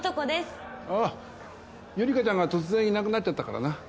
ああ友梨華ちゃんが突然いなくなっちゃったからな。